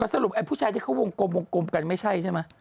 ก็สรุปพู่ชายจะเข้าวงกลมกรมกรมกันไม่ใช่ใช่ไหม